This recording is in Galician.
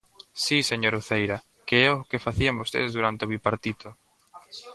¡Si, señora Uceira!, que é o que facían vostedes durante o Bipartito.